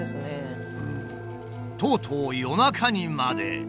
とうとう夜中にまで。